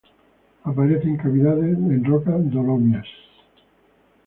Aparece en cavidades en rocas dolomías.